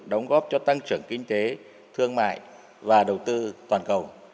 đóng góp cho tăng trưởng kinh tế thương mại và đầu tư